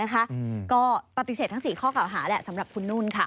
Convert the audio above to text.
ก็ปฏิเสธทั้ง๔ข้อเก่าหาแหละสำหรับคุณนุ่น